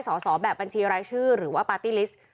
สอบแบบบัญชีรายชื่อหรือว่าปาร์ตี้ลิสต์